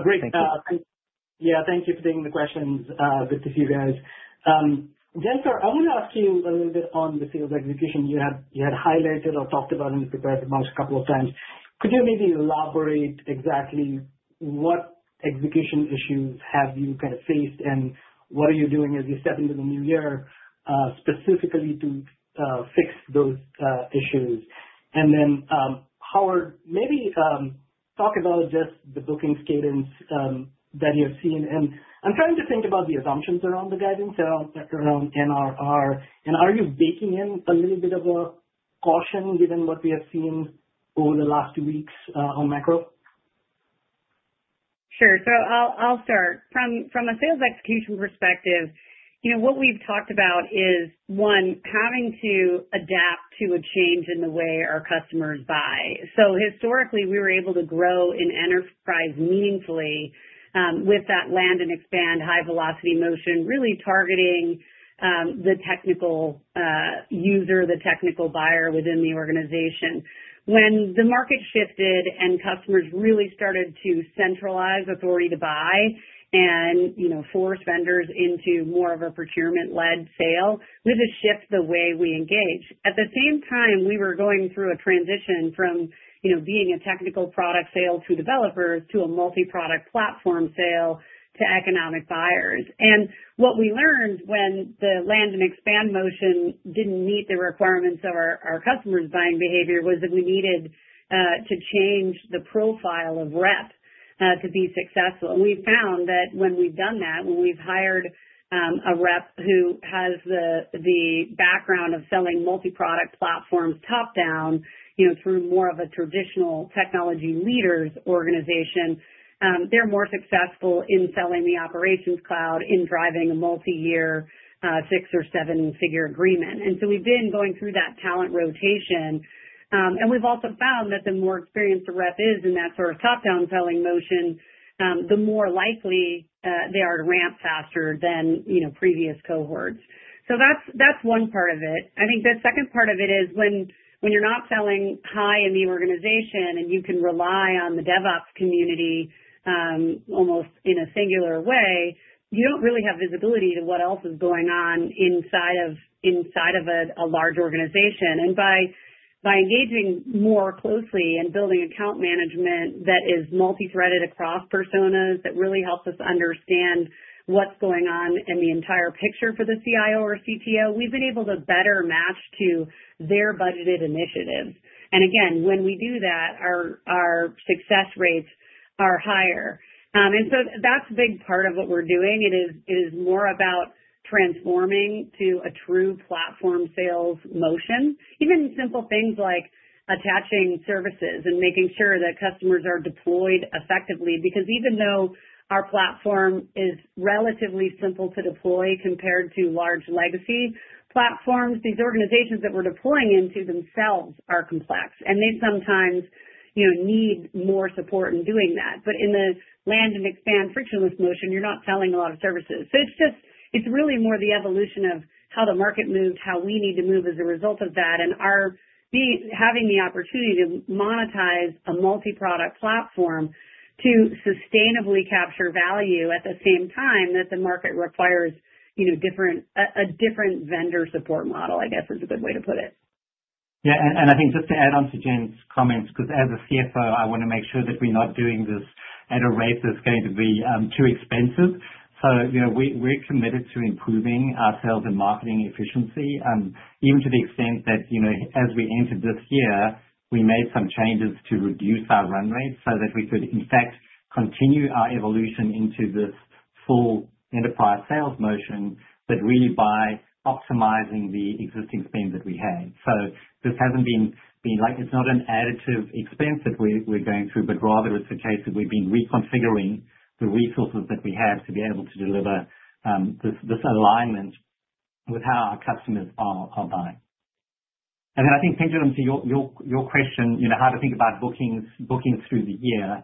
Great. Yeah. Thank you for taking the questions. Good to see you guys. Jen, I want to ask you a little bit on the sales execution you had highlighted or talked about in the prepared remarks a couple of times. Could you maybe elaborate exactly what execution issues have you kind of faced and what are you doing as you step into the new year specifically to fix those issues? Howard, maybe talk about just the booking cadence that you've seen. I'm trying to think about the assumptions around the guidance around ARR. Are you baking in a little bit of a caution given what we have seen over the last two weeks on macro? Sure. I'll start. From a sales execution perspective, what we've talked about is, one, having to adapt to a change in the way our customers buy. Historically, we were able to grow in enterprise meaningfully with that land and expand high-velocity motion, really targeting the technical user, the technical buyer within the organization. When the market shifted and customers really started to centralize authority to buy and force vendors into more of a procurement-led sale, we had to shift the way we engage. At the same time, we were going through a transition from being a technical product sale to developers to a multi-product platform sale to economic buyers. What we learned when the land and expand motion didn't meet the requirements of our customers' buying behavior was that we needed to change the profile of rep to be successful. We found that when we've done that, when we've hired a rep who has the background of selling multi-product platforms top-down through more of a traditional technology leaders organization, they're more successful in selling the Operations Cloud in driving a multi-year six or seven-figure agreement. We have been going through that talent rotation. We have also found that the more experienced the rep is in that sort of top-down selling motion, the more likely they are to ramp faster than previous cohorts. That is one part of it. I think the second part of it is when you are not selling high in the organization and you can rely on the DevOps community almost in a singular way, you do not really have visibility to what else is going on inside of a large organization. By engaging more closely and building account management that is multi-threaded across personas, that really helps us understand what is going on in the entire picture for the CIO or CTO. We have been able to better match to their budgeted initiatives. When we do that, our success rates are higher. That is a big part of what we are doing. It is more about transforming to a true platform sales motion, even simple things like attaching services and making sure that customers are deployed effectively. Because even though our platform is relatively simple to deploy compared to large legacy platforms, these organizations that we're deploying into themselves are complex, and they sometimes need more support in doing that. In the land and expand frictionless motion, you're not selling a lot of services. It is really more the evolution of how the market moved, how we need to move as a result of that, and having the opportunity to monetize a multi-product platform to sustainably capture value at the same time that the market requires a different vendor support model, I guess, is a good way to put it. Yeah. I think just to add on to Jen's comments, because as a CFO, I want to make sure that we're not doing this at a rate that's going to be too expensive. We are committed to improving ourselves in marketing efficiency, even to the extent that as we entered this year, we made some changes to reduce our run rate so that we could, in fact, continue our evolution into this full enterprise sales motion, but really by optimizing the existing spend that we had. This has not been like it's not an additive expense that we're going through, but rather it's a case that we've been reconfiguring the resources that we have to be able to deliver this alignment with how our customers are buying. I think, Pinjalim, to your question, how to think about bookings through the year,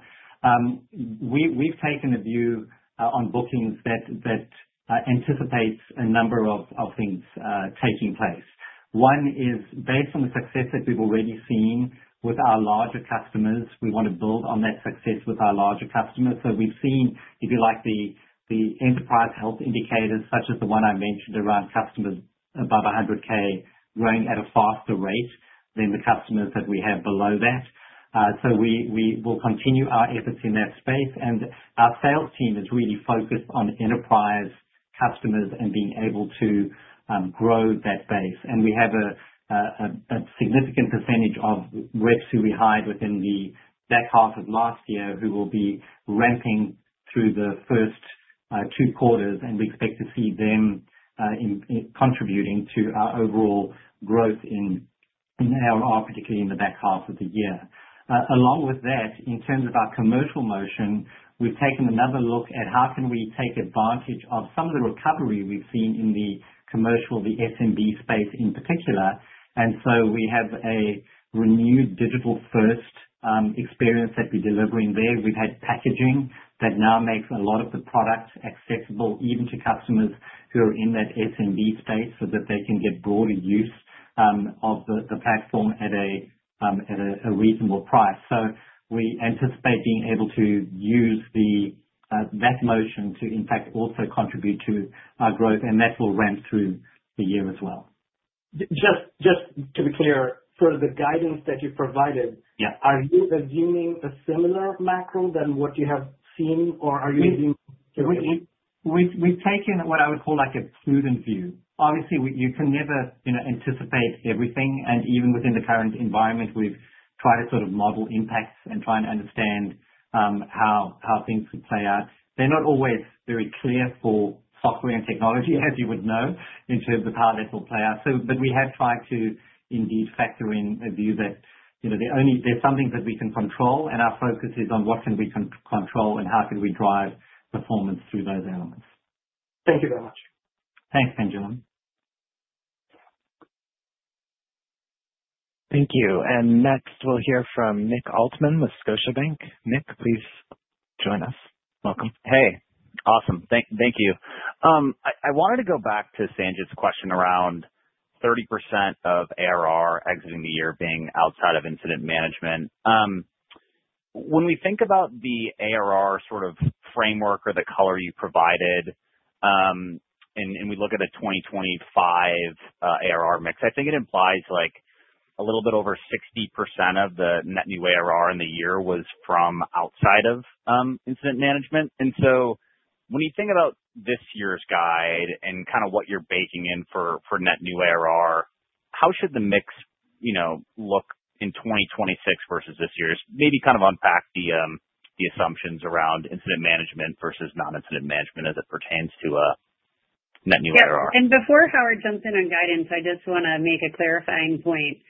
we've taken a view on bookings that anticipates a number of things taking place. One is based on the success that we've already seen with our larger customers. We want to build on that success with our larger customers. We've seen, if you like, the enterprise health indicators such as the one I mentioned around customers above $100,000 growing at a faster rate than the customers that we have below that. We will continue our efforts in that space. Our sales team is really focused on enterprise customers and being able to grow that base. We have a significant percentage of reps who we hired within the back half of last year who will be ramping through the first two quarters. We expect to see them contributing to our overall growth in ARR, particularly in the back half of the year. Along with that, in terms of our commercial motion, we've taken another look at how can we take advantage of some of the recovery we've seen in the commercial, the SMB space in particular. We have a renewed digital-first experience that we're delivering there. We've had packaging that now makes a lot of the product accessible even to customers who are in that SMB space so that they can get broader use of the platform at a reasonable price. We anticipate being able to use that motion to, in fact, also contribute to our growth, and that will ramp through the year as well. Just to be clear, for the guidance that you provided, are you assuming a similar macro than what you have seen, or are you assuming? We've taken what I would call a prudent view. Obviously, you can never anticipate everything. Even within the current environment, we've tried to sort of model impacts and try and understand how things could play out. They're not always very clear for software and technology, as you would know, in terms of how that will play out. We have tried to indeed factor in a view that there's some things that we can control, and our focus is on what can we control and how can we drive performance through those elements. Thank you very much. Thanks, Pinjalim. Thank you. Next, we'll hear from Nick Altmann with Scotiabank. Nick, please join us. Welcome. Hey. Awesome. Thank you. I wanted to go back to Sanjit's question around 30% of ARR exiting the year being outside of incident management. When we think about the ARR sort of framework or the color you provided, and we look at a 2025 ARR mix, I think it implies a little bit over 60% of the net new ARR in the year was from outside of incident management. When you think about this year's guide and kind of what you're baking in for net new ARR, how should the mix look in 2026 versus this year? Maybe kind of unpack the assumptions around incident management versus non-incident management as it pertains to net new ARR. Before Howard jumps in on guidance, I just want to make a clarifying point.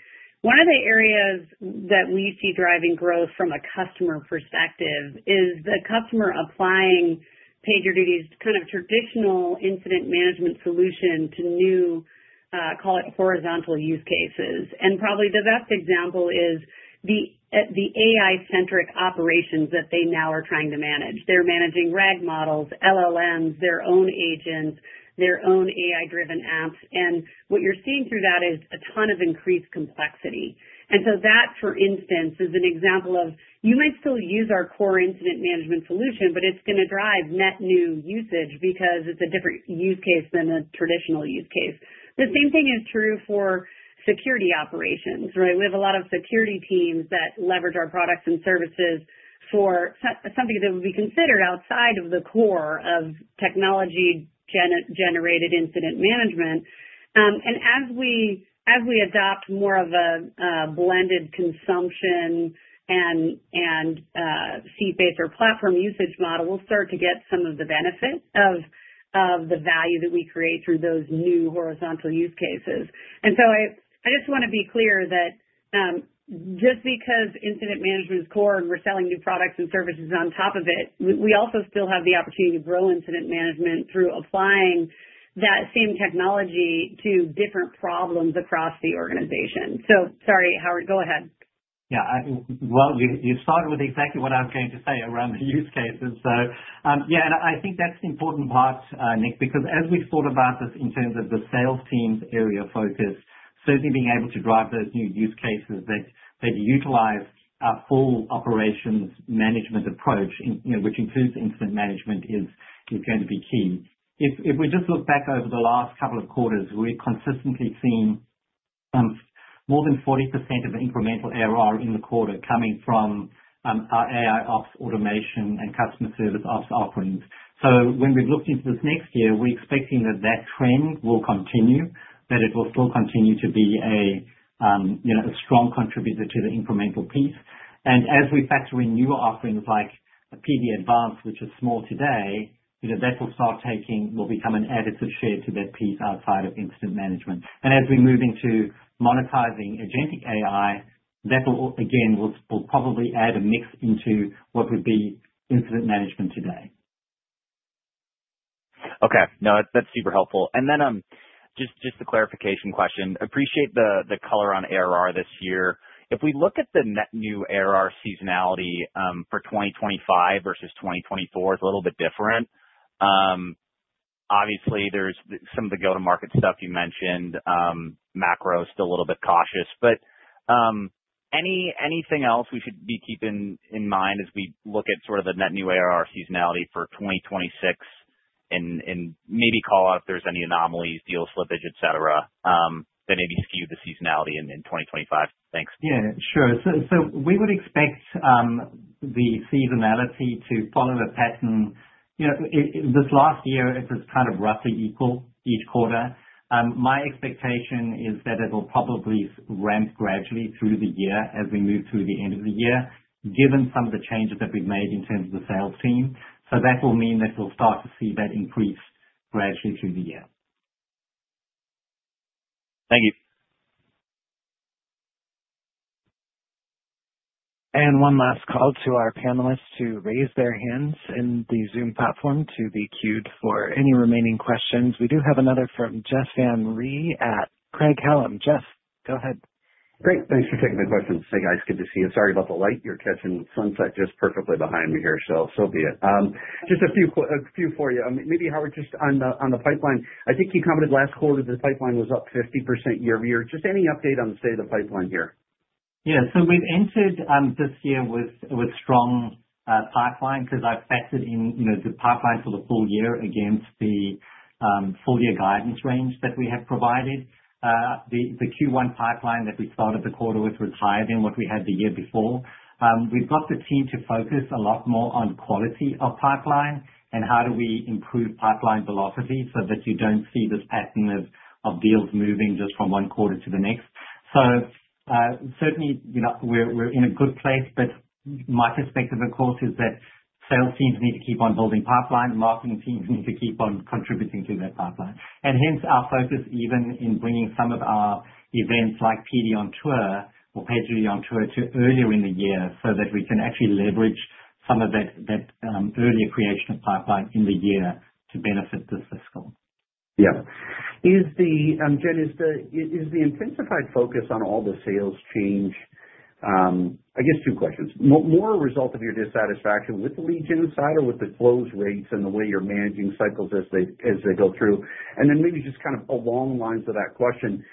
One of the areas that we see driving growth from a customer perspective is the customer applying PagerDuty's kind of traditional incident management solution to new, call it horizontal use cases. Probably the best example is the AI-centric operations that they now are trying to manage. They're managing RAG models, LLMs, their own agents, their own AI-driven apps. What you're seeing through that is a ton of increased complexity. That, for instance, is an example of you might still use our core incident management solution, but it's going to drive net new usage because it's a different use case than a traditional use case. The same thing is true for security operations, right? We have a lot of security teams that leverage our products and services for something that would be considered outside of the core of technology-generated incident management. As we adopt more of a blended consumption and CSAs or platform usage model, we'll start to get some of the benefit of the value that we create through those new horizontal use cases. I just want to be clear that just because incident management is core and we're selling new products and services on top of it, we also still have the opportunity to grow incident management through applying that same technology to different problems across the organization. Sorry, Howard. Go ahead. Yeah. You started with exactly what I was going to say around the use cases. Yeah, and I think that's an important part, Nick, because as we've thought about this in terms of the sales team's area of focus, certainly being able to drive those new use cases that utilize a full operations management approach, which includes incident management, is going to be key. If we just look back over the last couple of quarters, we've consistently seen more than 40% of incremental ARR in the quarter coming from our AIOps automation and Customer Service Ops offerings. When we've looked into this next year, we're expecting that that trend will continue, that it will still continue to be a strong contributor to the incremental piece. As we factor in newer offerings like PD Advance, which is small today, that will start taking, will become an additive share to that piece outside of incident management. As we move into monetizing agentic AI, that will, again, probably add a mix into what would be incident management today. Okay. No, that's super helpful. Then just a clarification question. Appreciate the color on ARR this year. If we look at the net new ARR seasonality for 2025 versus 2024, it's a little bit different. Obviously, there's some of the go-to-market stuff you mentioned. Macro is still a little bit cautious. Anything else we should be keeping in mind as we look at sort of the net new ARR seasonality for 2026 and maybe call out if there's any anomalies, deal slippage, etc., that maybe skew the seasonality in 2025? Thanks. Yeah. Sure. We would expect the seasonality to follow a pattern. This last year, it was kind of roughly equal each quarter. My expectation is that it will probably ramp gradually through the year as we move through the end of the year, given some of the changes that we've made in terms of the sales team. That will mean that we'll start to see that increase gradually through the year. Thank you. One last call to our panelists to raise their hands in the Zoom platform to be queued for any remaining questions. We do have another from Jeff Van Rhee at Craig-Hallum. Jeff, go ahead. Great. Thanks for taking the question. Hey, guys. Good to see you. Sorry about the light. You're catching sunset just perfectly behind me here, so be it. Just a few for you. Maybe Howard just on the pipeline. I think you commented last quarter the pipeline was up 50% year-over-year. Just any update on the state of the pipeline here? Yeah. We have entered this year with strong pipeline because I have factored in the pipeline for the full year against the full-year guidance range that we have provided. The Q1 pipeline that we started the quarter with was higher than what we had the year before. We have got the team to focus a lot more on quality of pipeline and how do we improve pipeline velocity so that you do not see this pattern of deals moving just from one quarter to the next. Certainly, we are in a good place, but my perspective, of course, is that sales teams need to keep on building pipeline. Marketing teams need to keep on contributing to that pipeline. Hence, our focus even in bringing some of our events like PD on Tour or PagerDuty on Tour to earlier in the year is so that we can actually leverage some of that earlier creation of pipeline in the year to benefit the fiscal. Yeah. Jen, is the intensified focus on all the sales change, I guess two questions. More a result of your dissatisfaction with the lead gen side or with the close rates and the way you're managing cycles as they go through? And then maybe just kind of along the lines of that question,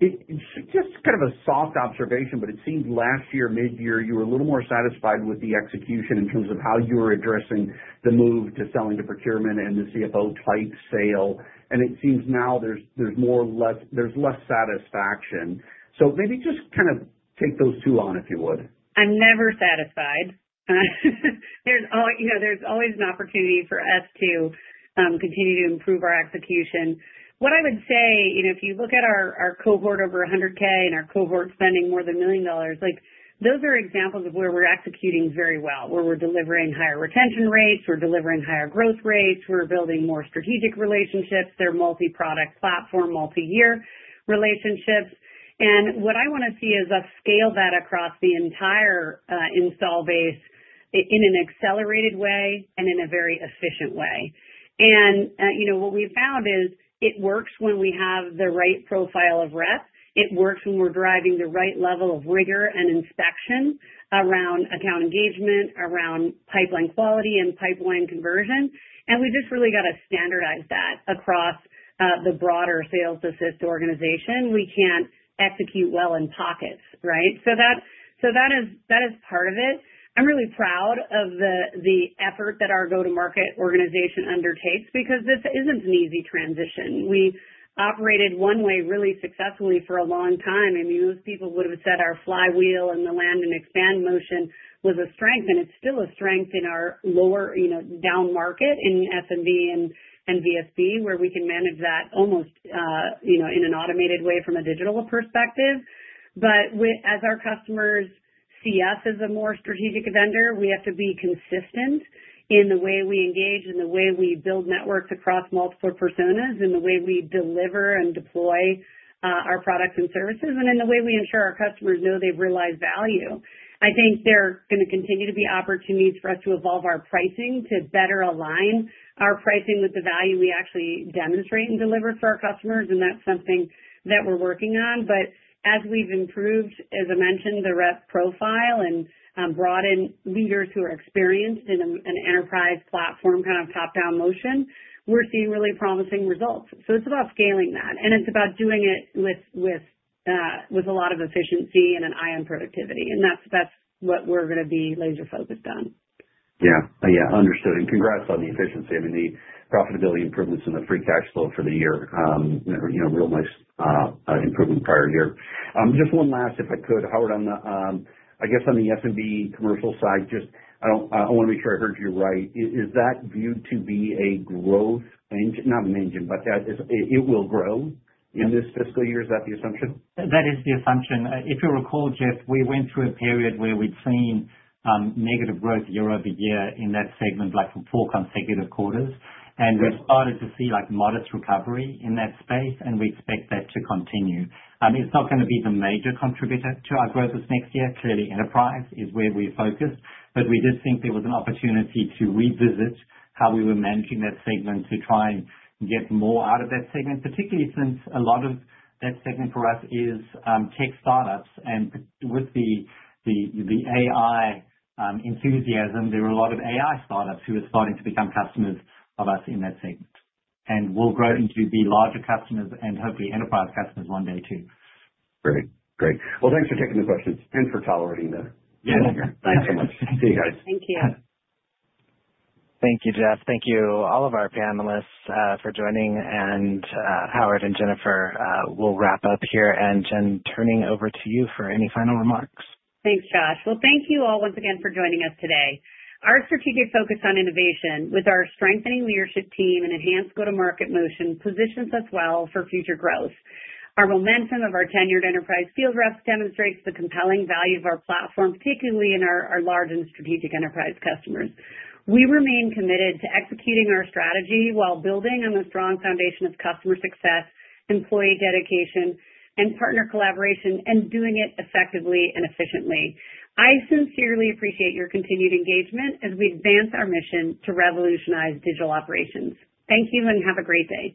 just kind of a soft observation, but it seemed last year, mid-year, you were a little more satisfied with the execution in terms of how you were addressing the move to selling to procurement and the CFO-type sale. It seems now there's less satisfaction. Maybe just kind of take those two on, if you would. I'm never satisfied. There's always an opportunity for us to continue to improve our execution. What I would say, if you look at our cohort over $100,000 and our cohort spending more than $1 million, those are examples of where we're executing very well, where we're delivering higher retention rates, we're delivering higher growth rates, we're building more strategic relationships. They're multi-product platform, multi-year relationships. What I want to see is us scale that across the entire install base in an accelerated way and in a very efficient way. What we've found is it works when we have the right profile of reps. It works when we're driving the right level of rigor and inspection around account engagement, around pipeline quality and pipeline conversion. We just really got to standardize that across the broader sales assist organization. We can't execute well in pockets, right? That is part of it. I'm really proud of the effort that our go-to-market organization undertakes because this isn't an easy transition. We operated one way really successfully for a long time. I mean, most people would have said our flywheel and the land and expand motion was a strength, and it's still a strength in our lower down market in SMB and VSB, where we can manage that almost in an automated way from a digital perspective. As our customers see us as a more strategic vendor, we have to be consistent in the way we engage and the way we build networks across multiple personas and the way we deliver and deploy our products and services and in the way we ensure our customers know they've realized value. I think there are going to continue to be opportunities for us to evolve our pricing to better align our pricing with the value we actually demonstrate and deliver for our customers. That's something that we're working on. As we've improved, as I mentioned, the rep profile and brought in leaders who are experienced in an enterprise platform kind of top-down motion, we're seeing really promising results. It's about scaling that. It's about doing it with a lot of efficiency and an eye on productivity. That's what we're going to be laser-focused on. Yeah. Yeah. Understood. I mean, the profitability improvements in the free cash flow for the year, real nice improvement prior year. Just one last, if I could, Howard, on the I guess on the SMB commercial side, just I want to make sure I heard you right. Is that viewed to be a growth engine? Not an engine, but it will grow in this fiscal year. Is that the assumption? That is the assumption. If you recall, Jeff, we went through a period where we'd seen negative growth year-over-year in that segment for four consecutive quarters. We started to see modest recovery in that space, and we expect that to continue. It's not going to be the major contributor to our growth this next year. Clearly, enterprise is where we focused. We did think there was an opportunity to revisit how we were managing that segment to try and get more out of that segment, particularly since a lot of that segment for us is tech startups. With the AI enthusiasm, there are a lot of AI startups who are starting to become customers of us in that segment and will grow into be larger customers and hopefully enterprise customers one day too. Great. Great. Thanks for taking the questions and for tolerating the. Thanks so much. See you guys. Thank you. Thank you, Jeff. Thank you, all of our panelists, for joining. Howard and Jennifer will wrap up here. Jen, turning over to you for any final remarks. Thanks, Jeff. Thank you all once again for joining us today. Our strategic focus on innovation with our strengthening leadership team and enhanced go-to-market motion positions us well for future growth. Our momentum of our tenured enterprise field reps demonstrates the compelling value of our platform, particularly in our large and strategic enterprise customers. We remain committed to executing our strategy while building on the strong foundation of customer success, employee dedication, and partner collaboration, and doing it effectively and efficiently. I sincerely appreciate your continued engagement as we advance our mission to revolutionize digital operations. Thank you and have a great day.